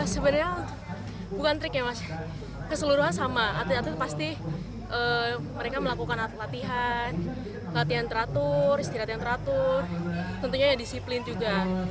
sebenarnya bukan triknya mas keseluruhan sama pasti mereka melakukan latihan latihan teratur istirahat yang teratur tentunya disiplin juga